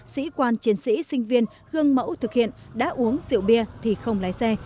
sĩ quan chiến sĩ sinh viên gương mẫu thực hiện đã uống rượu bia thì không lái xe